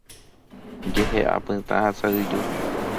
Jehe'a pytã ha sa'yju.